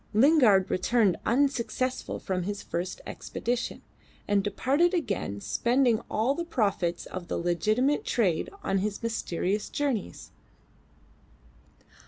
Lingard returned unsuccessful from his first expedition, and departed again spending all the profits of the legitimate trade on his mysterious journeys.